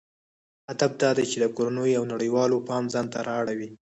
هدف دا دی چې د کورنیو او نړیوالو پام ځانته راواړوي.